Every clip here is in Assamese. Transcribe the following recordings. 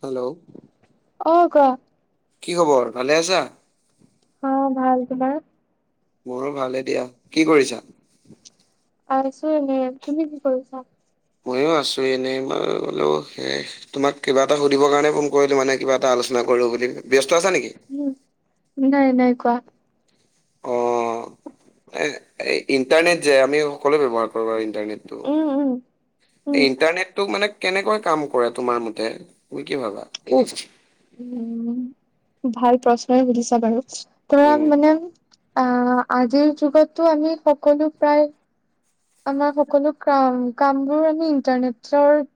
হেল্ল'? অ কোৱা কি খবৰ? ভালে আছা? অ' ভাল। তোমাৰ? মোৰো ভালে দিয়া। কি কৰিছা? আছোঁ এনে । তুমি কি কৰিছা? মইয়ো আছোঁ এনেই । মই বোলো সেই তোমাক কিবা এটা সুধিবৰ কাৰণে ফোন কৰিলোঁ মানে, কিবা এটা আলোচ না কৰোঁ বুলি। ব্যস্ত আছা নেকি উম। নাই - নাই, কোৱা। অ', এ- ইণ্টাৰনেট যে আমি সকলোৱে ব্যৱহাৰ কৰোঁ ইন্টাৰনেটটো। উম উম এই ইণ্টাৰনেটটো মানে কেনেকৈ কাম কৰে তোমাৰ মতে, তুমি কি ভাবা? উম, ভাল প্ৰশ্নয়ে সুধিছা বাৰু । কৰা মানে অ' আজিৰ যুগততো আমি সকলো প্ৰায় আমাৰ সকলো কাম- কামবোৰ আমি ইন্টাৰনেটছৰ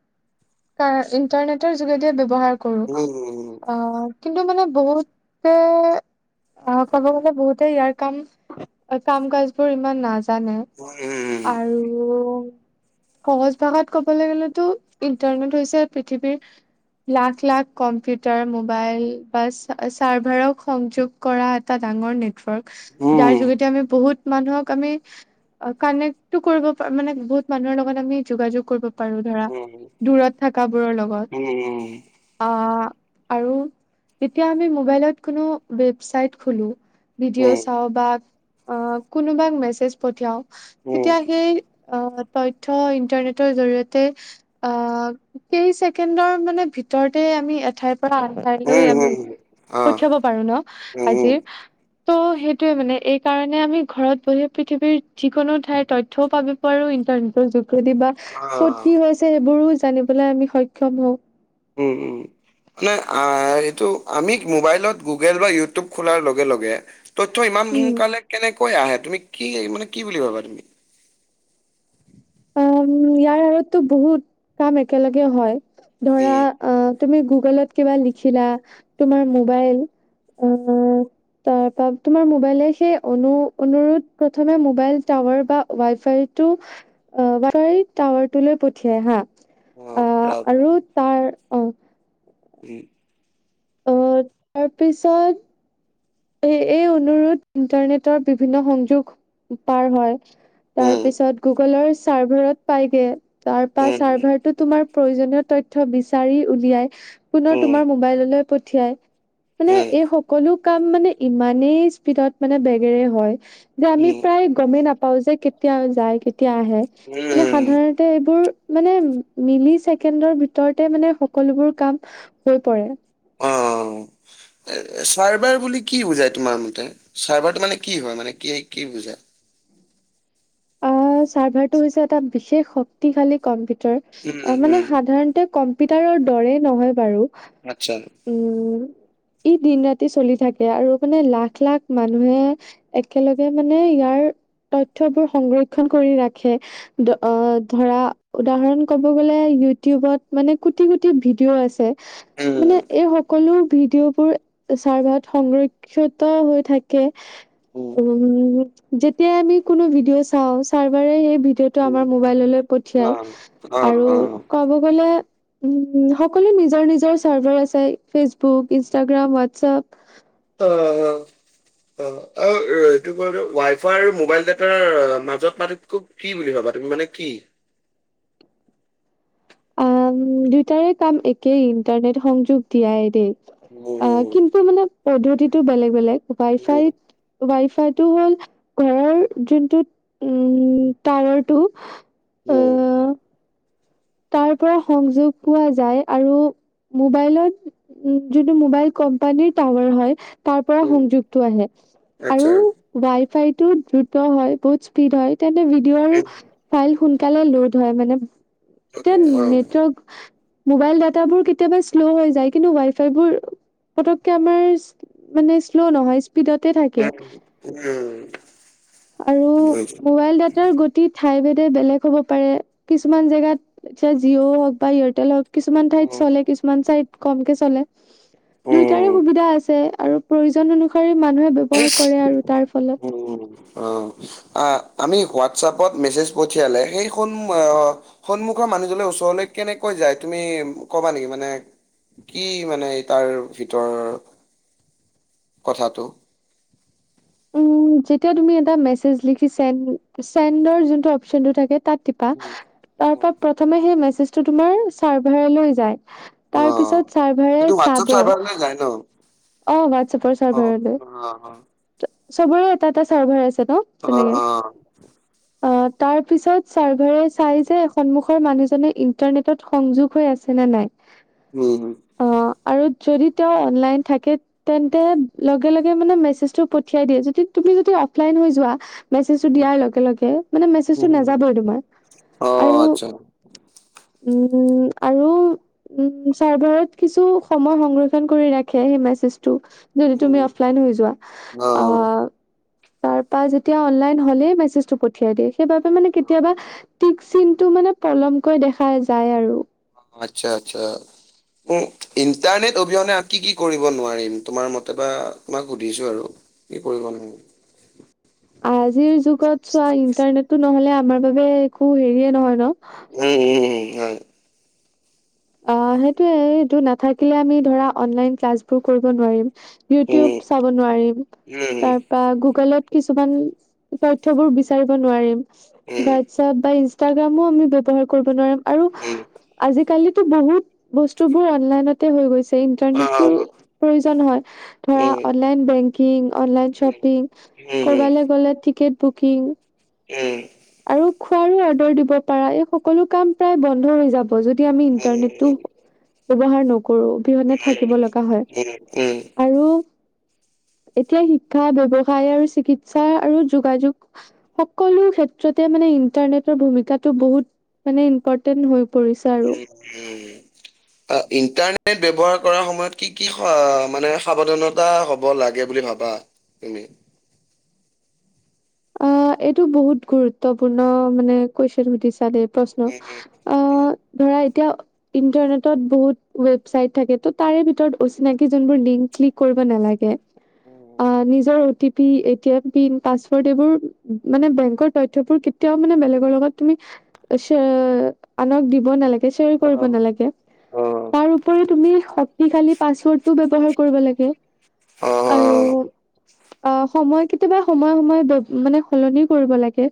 কাৰ- ইণ্টাৰনেটৰ যোগেদিয়ে ব্যৱহাৰ কৰোঁ উম । অ' কিন্তু মানে বহুতে অ' ক'ব গ'লে, বহুতে ইয়াৰ কাম- কাম-কাজবোৰ ইমান না জানে উম আৰু সহজ ভাষাত ক'বলৈ গ'লেতো ইন্টাৰনেট হৈছে পৃথিৱীত লাখ - লাখ কম্পিউটাৰ, মোবাইল বা ছা- ছাৰ্ভাৰক সংযোগ কৰা এটা ডাঙৰ নেট ৱৰ্ক, যাৰ উম যোগেদি আমি বহুত মানুহক আমি কানেক্টো কৰিব প- মানে বহুত মানুহৰ লগত আমি যোগাযোগ কৰিব পাৰোঁ । ধৰা, উম দূৰত থকাবোৰৰ লগত, উম উম উম অ' আৰু যেতিয়া আমি মোবাইলত কোনো ৱেবচাইট খোলোঁ উম উম ভিডিঅ' চাওঁ বা অ' কোনোবাক মেছেজ পঠিয়াওঁ উম তেতিয়া সেই অ' তথ্য ইন্টাৰনেটৰ জৰিয়তে অ' কেই ছেকেণ্ডৰ মানে ভিতৰতে আমি এঠাইত পৰা আ তাইলৈ উম উম আমি উম পঠিয়াব অ পাৰো ন উম আজিৰ। ত' সেইটোয়ে মানে এই কাৰণে আমি ঘৰত বহি পৃথিৱীৰ যিকোনো ঠাইৰ তথ্যয়ও পাব পাৰো।ো ইটনেটৰ যোগেদি বা অ ক'ত কি হৈছে সেইবোৰো জানিবলৈ আমি সক্ষম হওঁ। উম উম। নে এইটো আমি মোবাইলত গুগল বা ইউটিউব খোলাৰ লগে লগে। তথ্য ইমান উম সোনকালে কেনেকৈ আহে তুমি কি মানে কি বুলি ভাবা তুমি। অ ইয়াৰ আঁৰতো বহুত কাম একেলগে হয় ধৰা উম অ। তুমি গুগলত কিবা লিখিলা তোমাৰ মোবাইল। তাৰপা তোমাৰ মোবাইলে সেই অনুৰোধ প্ৰথমে মোবাইল টাৱাৰ বা ৱাই ফাই। টো। অ বাৰী টাৱাৰটো লৈ পঠিয়াই হা অ আহ ৰাউটাৰ আৰু তাৰ। উম। উম। আহ তাৰ পিছত। এই এই অনুৰোধ ইন্টাৰনেটৰ বিভিন্ন সংযোগ পাৰ হয়। তাৰ উম পিছত গুগলৰ চাৰ্ভাৰত পাইগে তাৰপা উম চাৰ্ভাৰটো তোমাৰ। প্ৰয়োজনীয় তথ্য বিচাৰি উলিয়াই পুনৰ উম তোমাৰ মোবাইললৈ পঠিয়াই। মানে উম এই সকলো কাম মানে ইমানেই স্পীডত মানে বেগেৰে হয়। যে আমি উম প্ৰায় গমেই নাপাও যে কেতিয়া যায় কেতিয়া আহে মানে উম সাধাৰণতে এইবোৰ। মানে মিলি ছেকেণ্ডৰ ভিতৰতে মানে সকলোবোৰ কাম হৈ পৰে। উম। চাৰভাৰ বুলি কি বুজাই তোমাৰ মতে চাৰভাৰটো মানে কি হয় মানে কি কি বুজাই। চাৰ্ভাৰ তো এটা হৈছে বিশেষ শক্তিশালী কম্পিউটাৰ উম মানে উম সাধাৰণতে। পিটাৰৰ দৰে নহয় বাৰু। আতছা। উম ই দিন ৰাতি চলি থাকে আৰু মানে লাখ লাখ মানুহে একেলগে মানে ইয়াৰ। বোৰ সংৰক্ষণ কৰি ৰাখে ধৰা উদাহৰণ কব। বলে ইউটিউবত মানে কোটি কোটি ভিডিঅ আছে। উম মানে এই সকলো ভিডিঅ' বোৰ চাৰ্ভাত সংৰক্ষিত হৈ থাকে। উম যেতিয়া আমি কোনো ভিডিঅ' চাওঁ। চাৰ্ভাৰে সেই ভিডিঅ'টো উম আমাৰ মোবাইললৈ অ পঠিয়াই অ আৰু কব গলে। উ সকলো নিজৰ নিজৰ চাৰ্ভাৰ আছে ফেচবুক ইনষ্টাগ্ৰাম হোৱাটছপ। উম উম অ আৰু এইটো কো ৱাই ফাই আৰু মোবাইল ডটাৰ মাজত মাতো কি বুলি ভাবা মানে কি? আম দুয়টাৰে কাম একেই ইণ্টাৰনেট সংযোগ দিয়াই দেই। অ উম, কিন্তু মানে পদ্ধতিতটো বেলেগ বেলেগ ৱাই ফাই উম, ৱাইাই। টো হ'ল ঘৰৰ যোনটো উম টাৱাৰটো। অঁকাৰ তাৰ পৰা সংযোগ পোৱা যায় আৰু মোবাইলত উম যিটো মোবাইল কোম্পানিৰ টাৱাৰ হয়। তাৰ পৰা উম, সংযোগটো আহে আচ্ছা আৰু ৱাই ফাইতটো দ্ৰুত হয় বহুত স্পীড হয়। তেন্তে ভিডিঅ' আৰু উম, ফাইল সোনকালে লোড হয় মানে। এতিয়া অকে, অ নেটৱৰ্ক মোবাইল ডাটাাবোৰ কেতিয়াবা শ্ল' হৈ যায় কিন্তু ৱাই ফাই বোৰ। পতককে আমাৰ মানে শ্ল' নহয় স্পীডতে থাকে উ উম আৰু উম, মোবাইল ডাটাৰ গতি ঠাই। বেলেগ হ'ব পাৰে কিছুমান জেগাত এতিয়া জিঅ' হওক বা এয়াৰটেল হওক। কিছুমান ঠাইত চলে উম, কিছুমান চাইত কমকে চলে দুইটাৰে সুবিধা আছে আৰু। প্ৰয়োজন অনুসাৰে। উম অ আ আমি হোৱাটছএপত মেচেজ পঠিয়ালে সেই সন্মুখৰ মানুহজনে কেনেকৈ যায় তুমি ক'বা নেকি মানে কি মানে তাৰ ভিতৰৰ কথাটো উম যেতিয়া তুমি এটা মেছেজ লিখিচা চেণ্ডৰ যোনটো অপচনটো থাকে তাত টিপা তাৰ উম, পৰা প্ৰথমে মেচেজতো তোমাৰ চাৰ্ভাৰ লৈ যায় তাৰ অ', পিছত চাৰ্ভাৰে সেইটো হোৱাটছআপ চাব চাৰ্ভাৰলৈ যায় ন? অ হোৱাটছাপৰ চাৰ্ভাৰ অ', লৈ অ', চবৰে এটা এটা চাৰ্ভাৰ আছে ন অ তেনেকে অ অ, তাৰ পিছত চাৰ্ভাৰে চাই যে সন্মুখৰ মানুহজনে ইন্টাৰনেটত সংযোগ হৈ আছে নে নাই উম অ, আৰু যদি তেওঁ অনলাইন থাকে তেন্তে লগে লগে মেচেজ টো পঠিয়াই দিয়ে যদি তুমি অফলাইন হৈ যোৱা মেছেজটো দিয়াৰ লগে লগে, মানে মেছেজটো উম, নাযাবই তোমাৰ। অ', আৰু [inaudible] উম আৰু উম চাৰ্ভাৰত কিছু সময় সংৰক্ষণ কৰি ৰাখ সেই মেজটো যদি তুমি উম, অফলাইন হৈ যোৱা। অ', আহ তাৰপা যেতিয়া অনলাইন হলে মেছেজটো পঠিয়াই দিয়ে সেইবাবে মানে কেতিয়া চিন টো মানে পলমকৈ দেখা যায় আৰু আচ্ছা আচ্ছা উ ইণ্টাৰনেট অবিহনে আ কি কি কৰিব নোৱাৰিম, তোমাৰ মতে বা তোমাক সুধিছো আৰু কি কৰিব নহ আজিৰ যুগত চোৱা ইণ্টাৰনেটটো নহলে আমাৰ বাবে একো হেৰিয়ে নহয় ন উম উম হয়। অ সেইটোয়ে এইটো নাথাকিলে আমি ধৰা অনলাইন ক্লাছবোৰ কৰিব নোৱাৰিম। উম, ইউটিউব চাব নোৱাৰিম, উম, উম, তাৰ পৰা গুগলত কিছুমান তথ্যবোৰ বিচাৰিব নোৱাৰিম, উম, হোৱাটছপ বা ইনষ্টাগ্ৰামো আমি ব্যৱহাৰ কৰিব নোৱাৰিম। উম কালিতো বহুত বস্তু বোৰ অনলাইনতে হৈ গৈছে। ইটাৰনেটটো অ', প্ৰয়োজন হয় ধৰা উম, অনলাইন বেংকিং অনলাইন উম, উম, শ্বপিং। উম, উম, কৰবালৈ গ'লে টিকেট বুকিং উম আৰু খোৱাৰো অৰ্ডাৰ দিব পাৰা এই সকলো কাম প্ৰায় বন্ধ হৈ যাব। যদি আমি ইন্টাৰনেটটো ব্যৱহাৰ ন কৰো অবিহনে থাকিব লগা হয়। উম, উম, উম, আৰু [inaudible] এতিয়া শিক্ষা ব্যৱসায় আৰু চিকিৎসা আৰু যোগাযোগ সকলো ক্ষেত্ৰ ত্ৰতে মানে ইন্টাৰনেটৰ ভূমিকাতটো বহুত মানে ইম্পৰ্টেণ্ট হৈ পৰিছে আৰু। উম উম ইণ্টাৰনেট ব্যৱহাৰ কৰাৰ সময়ত কি কি মানে সাৱধানতা হ'ব লাগে বুলি ভাবা? তুমি অ এইটো বহুত গুৰুত্বপূৰ্ণ মানে কোয়েশ্বন সুধিছে। দেই প্ৰশ্ন উম, আহ ধৰা এতিয়া ইন্টাৰনেটত বহুত ৱেবচাইট থাকে ত' তাৰে ভিতৰত অচিনাকি যোনবোৰ লিংক ক্লিক কৰিব নালাগে। উম, অ নিজৰ O T P, A T M পান, পাচ মানে বেংকৰ তথ্যয়বোৰ কেতিয়াও মানে বেলেগৰ লগত তুমি আনক দিব নালাগে শ্বেয়াৰ অ, কৰিব নালাগে তাৰ উপৰি তুমি সি খালি পাছৱৰ্ডটো ব্যৱহাৰ কৰিব লাগে অ, অ, আৰু অ সময় কেতিয়াবা সময়ে সময়ে মানে সলনি কৰিব লাগে।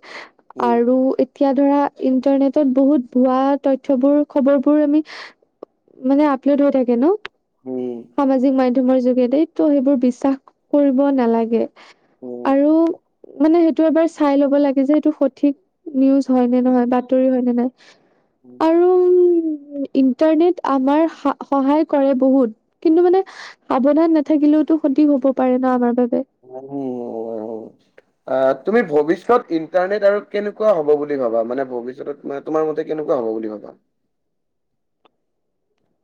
উম, আৰু এ এতিয়া ধৰা ইন্টাৰনেটত বহুত ভুৱা তথ্যবোৰ খবৰ বোৰ আমি মানে আপলোড হৈ থাকে ন? উম, সামাজিক মাধ্যমৰ যোগেদি তো সেইবোৰ বিশ্বাস কৰিব নালাগে। উম। আৰু মানে সেইটো এবাৰ চাই ল'ব লাগে যে সেইটো সঠিক নিউজ হয় নে নহয় বাতৰি হয় নে নাই উম। আৰু উম, ইণ্টাৰনেট আমাৰ সহায় কৰে বহুত। কিন্তু মানে সাৱধান নাথাকিলেওতো অধিক [unintelligible] হ'ব পাৰে না আমাৰ বাবে। উম অ তুমি ভৱিষ্যত ইণ্টাৰনেট আৰু কেনেকুৱা হব বুলি ভাবা, মানে ভৱিষ্যতত তোমাৰ মতে কেনেকুৱা হ'ব বুলি ভাৱা?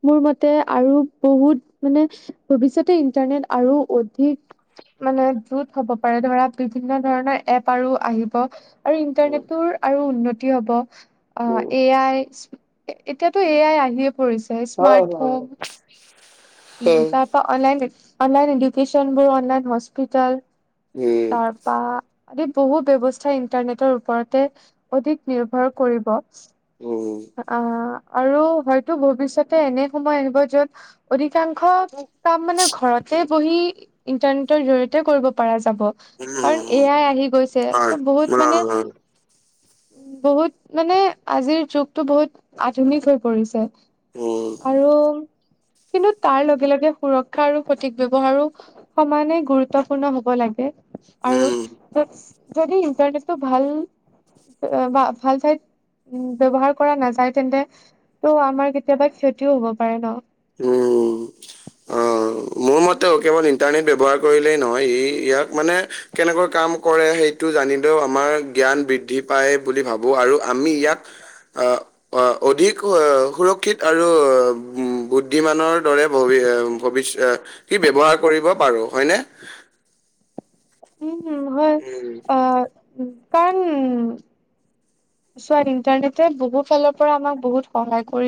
মোৰ মতে আৰু বহুত মানে ভৱিষ্যতে ইণ্টাৰনেট আৰু অধিক মানে যুত [unintelligible] হ'ব পাৰে ধৰা বিভিন্ন ধৰণৰ এপ আৰু আহিব আৰু উম, ইন্টাৰনেটৰ আৰু উন্নতি হ'ব উম, এ আই এতিয়াতো এ আই আহিয়ে পৰিছে। হয় হয়। উ হয়, তাপা অনলাইন অনলাইন এডুক্যচনবোৰ অনলাইন হস্পিটেল উম, তাৰপা আদি বহু ব্যৱস্থা ইন্টাৰনেটৰ ওপৰতে অধিক নিৰ্ভৰ কৰিব। উম। অ আৰু হয়তো ভৱিষ্যতে এনে সময় আহিব যত অধিক কাংশ কাম মানে ঘৰতে বহি ইন্টাৰনেটৰ জৰিয়তে কৰিব পাৰা যায় কাৰণ এ উম, আই আহি গৈছে হয়, ত বহুত মানে বহুত মানে আজিৰ যুগটো বহুত আধুনিক হৈ পৰিছে। উম, আৰু কিন্তু তাৰ লগে লগে সুৰক্ষা আৰু সঠিক ব্যৱহাৰো সমানে গুৰুত্বপূৰ্ণ হব লাগে। আৰু উম। যদি ইন্টাৰনেটটো ভাল বা ভাল ঠাইত ব্যৱহাৰ কৰা নাযায় তেন্তেটো আমাৰ কেতিয়াবা ক্ষতিও হব পাৰে ন? উম অ। মোৰ মতেও কেৱল ইন্টাৰনেট ব্যৱহাৰ কৰিলেই নহয় ই ইয়াক মানে কেনেকৈ কাম কৰে সেইটো জানিলেও আমাৰ জ্ঞান বৃদ্ধি পায় বুলি ভাবো আৰু আমি ইয়াত অ অধিক সুৰক্ষিত আৰু বুদ বুদ্ধিমানৰ দৰে ভবিষ্যতে ই ব্যৱহাৰ কৰিব পাৰো হয়নে? [inaudible] উম। হয় উম। আহ কাৰণ চোৱা ইন্টাৰনেটে বহু ফালৰ পৰা আমাক বহুত সহায় কৰি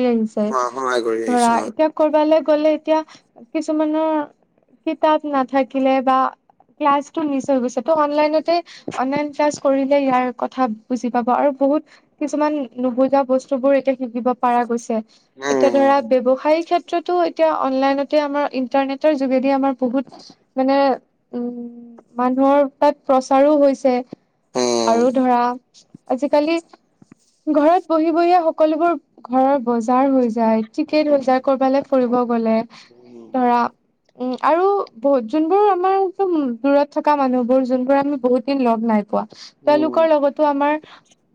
অ' আহিছে সহায় কৰি আহিছে ধৰা হয়। এতিয়া ক'ৰবালৈ গ'লে এতিয়া কিছুমানৰ কিতাপ নাথাকিলে বা ক্লাছটো মিচ হৈ গৈছে ত' অনলাইনতে অনলাইন ক্লাছ কৰিলে ইয়াৰ কথা বুজি পাব আৰু বহুত কিছুমান নুবুজা বস্তু বোৰ এতিয়া শিকিব পাৰা গৈছে এতিয়া ধৰা উম, ব্যৱসায়িক ক্ষেত্ৰত এতিয়াটো এতিয়া অনলাইনতে আমাৰ ইন্টাৰনেটৰ যোগেদি আমাৰ বহুত মানে উ মানুহৰ তাত প্ৰচাৰো হৈছে উম, আৰু ধৰা আজি খালি ঘৰত বহি বহিয়ে সকলোবোৰ ঘৰৰ বজাৰ হৈ যায়। ঠিকেই উম, ধৰিছা ক'ৰবালৈ ফুৰিব গলে উম, উম। ধৰা উম আৰু বহুত যোন বোৰ আমাৰ দূৰত থকা মানুহবোৰ যোন বোৰ আমি বহুত দিন লগ নাই পোৱা উম। তেওঁলোকৰ লগতো আমাৰ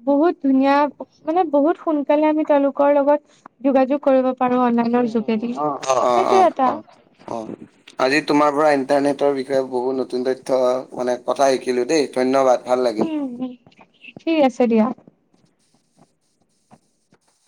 বহুত ধুনীয়া মানে বহুত সোন কালে আমি তেওঁলোকৰ লগত যোগাযোগ কৰিব অ অনলাইনৰ যোগেদি, অ অ অ সেইটোৱে এটা অ আজি তোমাৰ পৰা ইণ্টাৰনেটৰ বিষয়ে বহুত নতুন তথ্য মানে কথা শিকিলোঁ দেই, ধন্যবাদ। ভাল লাগিল উ হু, ঠিক আছে দিয়া।